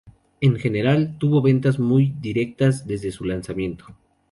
En general, tuvo ventas muy discretas desde su lanzamiento.